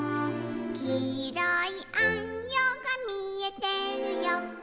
「きいろいあんよがみえてるよ」